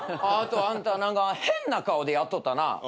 あとあんた何か変な顔でやっとったな。